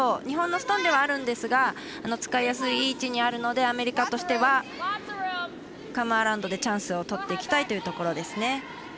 日本のストーンではあるんですが使いやすい、いい位置にあるのでアメリカとしてはカム・アラウンドでチャンスをとっていきたいというところですね。